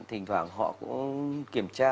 thỉnh thoảng họ cũng kiểm tra